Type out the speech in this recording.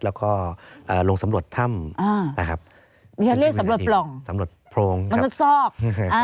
แล้วก็เอ่อลงสำหรับถ้ำอ่านะครับสำหรับพรงสำหรับพรงมันจะซอกอ่า